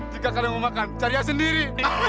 jika kalian mau makan cari aja sendiri